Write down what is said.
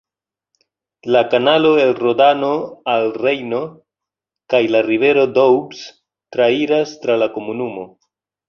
La kanalo el Rodano al Rejno kaj la rivero Doubs trairas tra la komunumo.